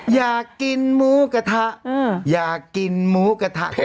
อยากกินหมูกระทะอยากกินหมูกระทะ